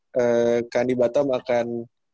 kak andi batam akan